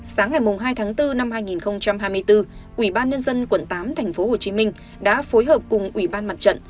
sáng ngày hai tháng bốn năm hai nghìn hai mươi bốn quỹ ban nhân dân quận tám thành phố hồ chí minh đã phối hợp cùng quỹ ban mặt trận